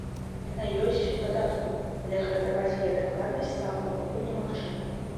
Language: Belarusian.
Яна ёсць у дадатку, але гарантаваць яе дакладнасць цалкам пакуль не магчыма.